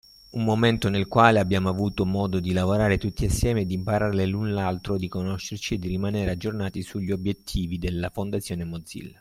Un momento nel quale abbiamo avuto modo di lavorare tutti assieme e di imparare l’uno dall’altro, di conoscerci e di rimanere aggiornati sugli obbiettivi della Fondazione Mozilla.